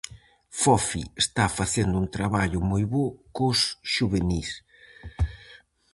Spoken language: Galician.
Fofi está facendo un traballo moi bo cos xuvenís.